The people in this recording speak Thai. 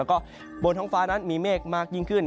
แล้วก็บนท้องฟ้านั้นมีเมฆมากยิ่งขึ้น